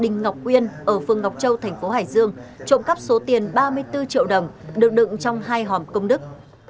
đình ngọc uyên ở phương ngọc châu thành phố hải dương trộm cắp số tiền ba mươi bốn triệu đồng được đựng trong hai hòm công đức